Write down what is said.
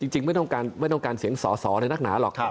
จริงไม่ต้องการเสียงสอสออะไรนักหนาหรอก